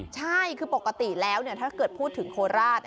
ใช่คือปกติแล้วถ้าเกิดพูดถึงโคราช